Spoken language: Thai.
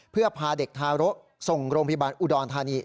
เพื่อพาเด็กทารกส่งโรงพยาบาลอุดรธานี